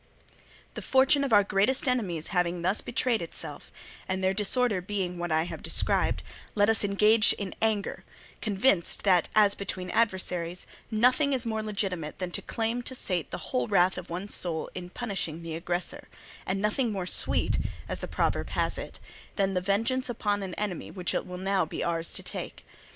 "The fortune of our greatest enemies having thus betrayed itself, and their disorder being what I have described, let us engage in anger, convinced that, as between adversaries, nothing is more legitimate than to claim to sate the whole wrath of one's soul in punishing the aggressor, and nothing more sweet, as the proverb has it, than the vengeance upon an enemy, which it will now be ours to take.